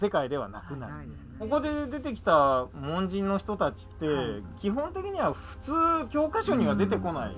ここで出てきた門人の人たちって基本的には普通教科書には出てこない。